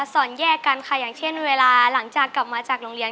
สอนแยกกันค่ะอย่างเช่นเวลาหลังจากกลับมาจากโรงเรียน